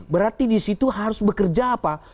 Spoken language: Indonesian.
berarti disitu harus bekerja apa